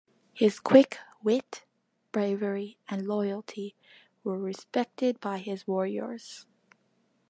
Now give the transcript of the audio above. His quick wit, bravery, and loyalty were respected by his warriors.